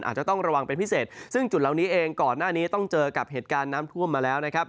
อาจจะต้องระวังเป็นพิเศษซึ่งจุดเหล่านี้เองก่อนหน้านี้ต้องเจอกับเหตุการณ์น้ำท่วมมาแล้วนะครับ